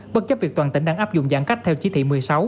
bất chấp việc toàn tỉnh đang áp dụng giãn cách theo chí thị một mươi sáu